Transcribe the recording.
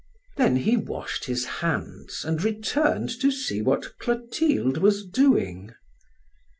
Then he washed his hands and returned to see what Clotilde was doing.